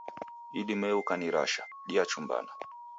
Idimei ukanirasha, diachumbana.